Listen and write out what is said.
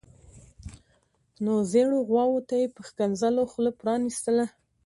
نو زیړو غواوو ته یې په ښکنځلو خوله پرانیستله.